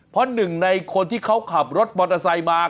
เพราะหนึ่งในคนที่เขาขับรถมอเตอร์ไซค์มา